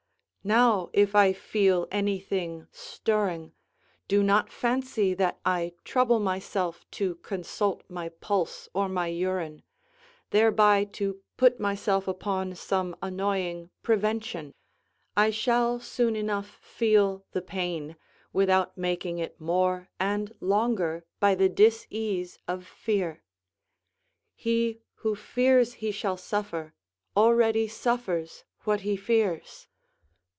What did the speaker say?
Now if I feel anything stirring, do not fancy that I trouble myself to consult my pulse or my urine, thereby to put myself upon some annoying prevention; I shall soon enough feel the pain, without making it more and longer by the disease of fear. He who fears he shall suffer, already suffers what he fears.